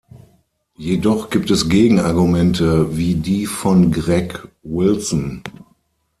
Jedoch gibt es Gegenargumente, wie die von Greg Wilson.